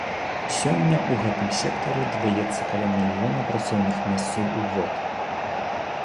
Сёння ў гэтым сектары дадаецца каля мільёна працоўных месцаў у год.